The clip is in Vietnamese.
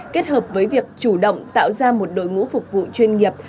kết hợp với việc chủ động tạo ra một đội ngũ phục vụ chuyên nghiệp